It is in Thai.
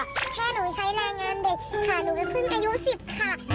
แม่หนูใช้รายงานเด็กค่ะหนูเพิ่งอายุ๑๐ค่ะ